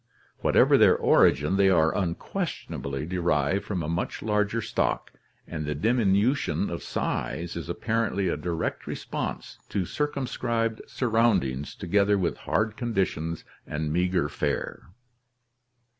Whatever their origin, they are unquestionably derived from a much larger stock, and the diminution of size is apparently a direct response to circumscribed surroundings together with hard conditions and meager fare.